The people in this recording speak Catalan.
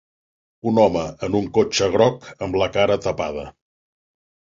Un home en un cotxe groc amb la cara tapada.